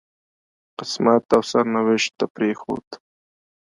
قسمت او سرنوشت ته پرېښود.